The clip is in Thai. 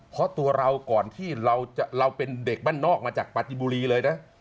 เพราะตัวเราก่อนที่เราเป็นเด็กบ้านนอกมาจากปฏิบุรีเลยนะ